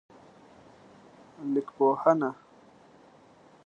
لیکپوهنه